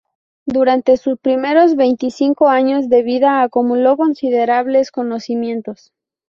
Durante sus primeros veinticinco años de vida acumuló considerables conocimientos.